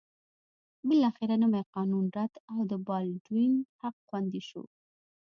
بالاخره نوی قانون رد او د بالډوین حق خوندي شو.